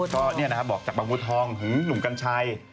ก็เนี่ยนะฮะบอกจากบางพุทธองหื้มหนุ่มกัญชัย